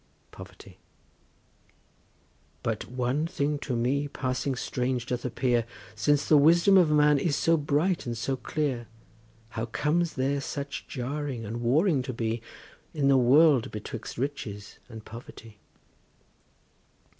POVERTY. But one thing to me passing strange doth appear: Since the wisdom of man is so bright and so clear, How comes there such jarring and warring to be In the world betwixt Riches and Poverty?